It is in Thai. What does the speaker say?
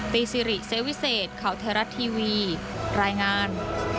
ซิริเซวิเศษข่าวไทยรัฐทีวีรายงาน